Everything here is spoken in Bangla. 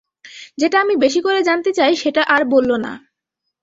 যেটা আমি বেশি করে জানতে চাই সেটা আর বললো না!